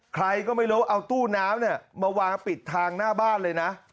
ใครก็ไม่รู้เอาตู้น้ำเนี่ยมาวางปิดทางหน้าบ้านเลยนะ